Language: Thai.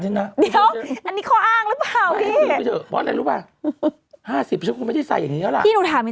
ใช่เพราะวันหนึ่งเราใส่ไม่ได้แล้ว